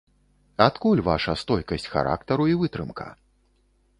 Адкуль ваша стойкасць характару і вытрымка?